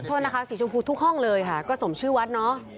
โทษนะคะสีชมพูทุกห้องเลยค่ะก็สมชื่อวัดเนอะ